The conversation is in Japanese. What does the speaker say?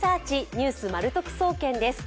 「ニュースまる得総研」です。